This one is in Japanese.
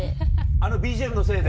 あのＢＧＭのせいで？